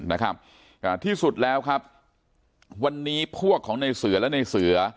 นะครับอ่าที่สุดแล้วครับวันนี้พวกของในเสือและในเสือ